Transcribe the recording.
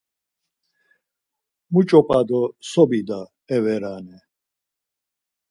Muç̌o p̌a do so bida e verane.